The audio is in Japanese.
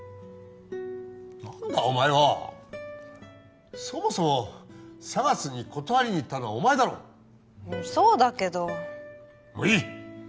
何だお前はそもそもＳＡＧＡＳに断りに行ったのはお前だろそうだけどもういい！